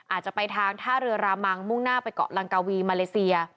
อาจจะไปทางท่าเรือรามังมุ่งหน้าไปเกาะลังกาวีมาเลเซีย